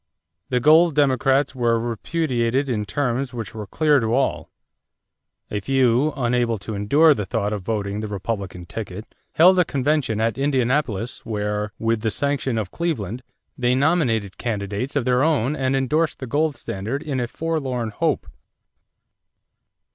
The Gold Democrats were repudiated in terms which were clear to all. A few, unable to endure the thought of voting the Republican ticket, held a convention at Indianapolis where, with the sanction of Cleveland, they nominated candidates of their own and endorsed the gold standard in a forlorn hope.